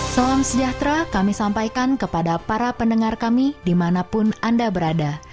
salam sejahtera kami sampaikan kepada para pendengar kami dimanapun anda berada